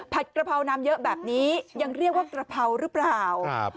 กระเพราน้ำเยอะแบบนี้ยังเรียกว่ากระเพราหรือเปล่าครับ